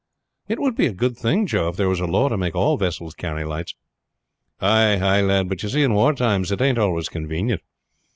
"It would be a good thing, Joe, if there was a law to make all vessels carry lights." "Ay, ay, lad; but you see in war times it ain't always convenient.